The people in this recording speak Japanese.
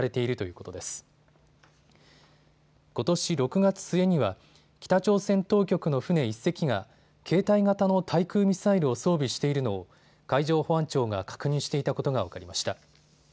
ことし６月末には北朝鮮当局の船１隻が携帯型の対空ミサイルを装備しているのを海上保安庁が確認していたことが分かりました。